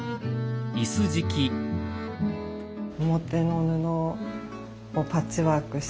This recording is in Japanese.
表の布をパッチワークして。